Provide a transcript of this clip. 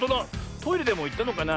トイレでもいったのかな。